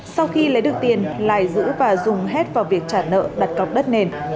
sau khi lấy được tiền lài giữ và dùng hết vào việc trả nợ đặt cọc đất nền